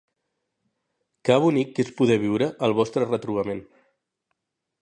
Què bonic que és poder viure el vostre retrobament!